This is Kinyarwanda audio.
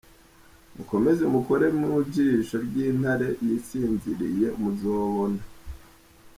Mukomeze mukore mu jisho ry’Intare yisinziriye muzabona!!!!!.